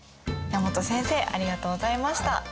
山本先生ありがとうございました。